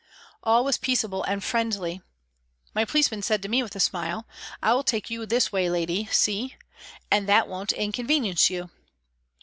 All was peaceable and friendly. My policeman said to me with a smile, " I'll take you this way, lady, see ? And that won't inconvenience you."